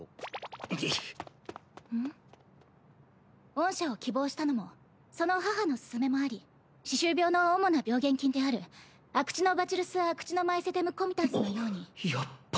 御社を希望したのもその母の勧めもあり歯周病の主な病原菌であるアクチノバチルス・アクチノマイセテムコミタンスのように。